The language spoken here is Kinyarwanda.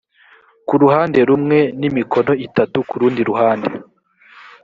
ku ruhande rumwe n’imikono itatu ku rundi ruhande